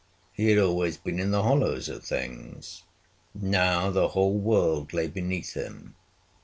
He had always been in the hollows of things. Now the whole world lay beneath him.